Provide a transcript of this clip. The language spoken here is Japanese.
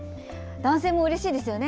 男性もうれしいですよね。